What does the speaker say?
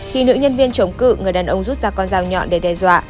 khi nữ nhân viên chống cự người đàn ông rút ra con dao nhọn để đe dọa